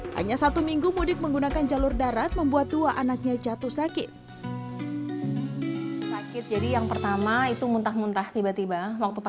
hanya satu minggu mudik menggunakan jalur darat membuat dua anaknya jatuh sakit